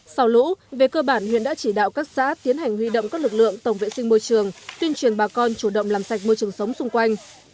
sau lũ về cơ bản huyện đã chỉ đạo các xã tiến hành huy động các lực lượng tổng vệ sinh môi trường tuyên truyền bà con chủ động làm sạch môi trường sống xung quanh